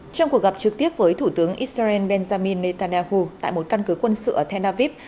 trong cuộc gặp trực tiếp với thủ tướng israel benjamin netanyahu tại một căn cứ quân sự ở tel aviv